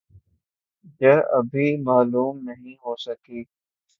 جہ ابھی معلوم نہیں ہو سکی